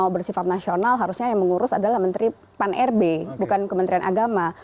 kalau bersifat nasional harusnya yang mengurus adalah menteri pan rb bukan kementerian agama